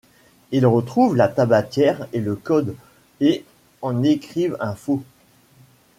Ils retrouvent la tabatière et le code, et en écrivent un faux.